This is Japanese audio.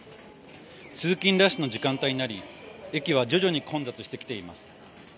通勤ラッシュの時間帯になり、駅は徐々に混雑してきています。